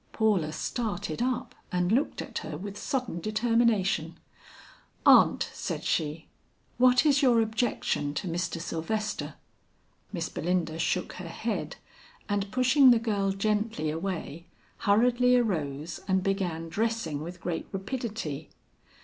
Paula started up and looked at her with sudden determination. "Aunt," said she, "what is your objection to Mr. Sylvester?" Miss Belinda shook her head, and pushing the girl gently away, hurriedly arose and began dressing with great rapidity.